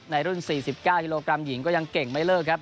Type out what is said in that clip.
ในรุ่น๔๙กิโลกรัมหญิงก็ยังเก่งไม่เลิกครับ